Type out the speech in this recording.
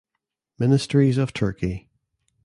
Ministries of Turkey